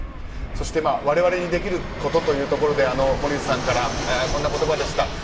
そして、我々にできることというところで森内さんからこんな言葉でした。